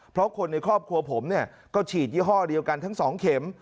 เพราะคนในครอบครัวผมเนี่ยก็ฉีดยี่ห้อเดียวกันทั้ง๒เข็ม